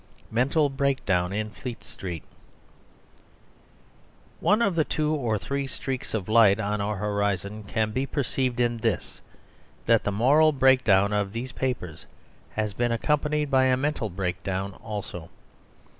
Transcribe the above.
Mental Breakdown in Fleet Street One of the two or three streaks of light on our horizon can be perceived in this: that the moral breakdown of these papers has been accompanied by a mental breakdown also.